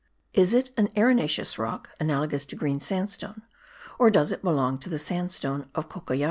Is it an arenaceous rock analogous to green sandstone, or does it belong to the sandstone of Cocollar?